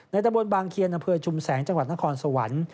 ตะบนบางเคียนอำเภอชุมแสงจังหวัดนครสวรรค์